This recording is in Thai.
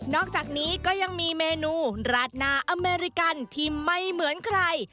อกจากนี้ก็ยังมีเมนูราดนาอเมริกันที่ไม่เหมือนใคร